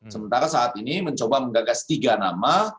sementara saat ini mencoba menggagas tiga nama